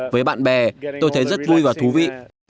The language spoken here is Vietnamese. với bạn bè tôi thấy rất vui và thú vị